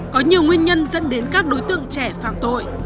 có nhiều nguyên nhân dẫn đến các đối tượng trẻ phạm tội